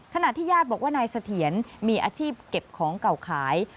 ขณะที่ญาติบอกว่านายเสถียรมีอาชีพเก็บของเก่าขาย